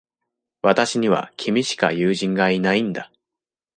私には、君しか友人がいないんだ。